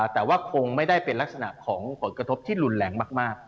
แต่ว่าคงไม่ได้เป็นลักษณะของผลกระทบที่รุนแรงมาก